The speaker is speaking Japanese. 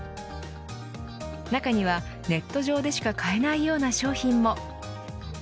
中には、ネット上でしか買えないような商品も。